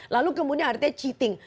lalu kemudian artinya cheating